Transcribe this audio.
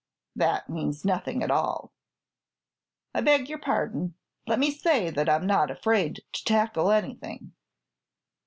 "That means nothing at all." "I beg your pardon. Let me say that I'm not afraid to tackle anything."